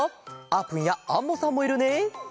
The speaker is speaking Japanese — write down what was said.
あーぷんやアンモさんもいるね。